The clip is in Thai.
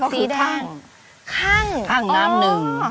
ท่างน้ำหนึ่ง